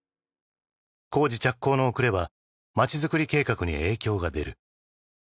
工事着工の遅れはまちづくり計画に影響が出る。